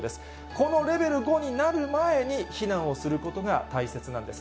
このレベル５になる前に、避難をすることが大切なんです。